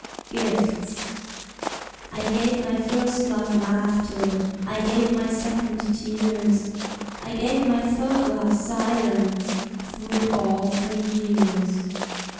Gifts I gave my first love laughter, I gave my second tears, I gave my third love silence Through all the years.